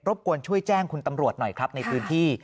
บกวนช่วยแจ้งคุณตำรวจหน่อยครับในพื้นที่